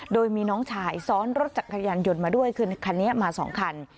โดยมีน้องชายซ้อนรถจักรยานยนต์มาด้วยคือคันนี้มาสองคัน